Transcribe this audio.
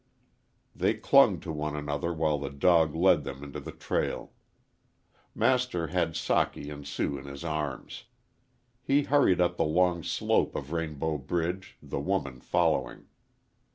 They clung to one another while the dog led them into the trail. Master had Socky and Sue in his arms. He hurried up the long slope of Rainbow Ridge, the woman following.